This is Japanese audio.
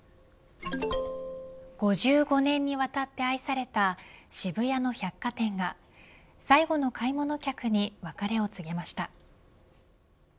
５５年にわたって愛された渋谷の百貨店が最後の買い物客に別れを告げました。